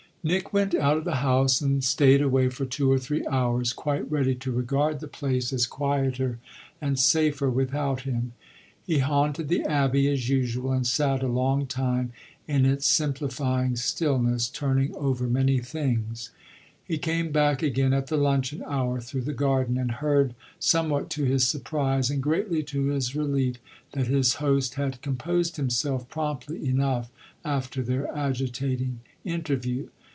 Nick went out of the house and stayed away for two or three hours, quite ready to regard the place as quieter and safer without him. He haunted the abbey as usual and sat a long time in its simplifying stillness, turning over many things. He came back again at the luncheon hour, through the garden, and heard, somewhat to his surprise and greatly to his relief, that his host had composed himself promptly enough after their agitating interview.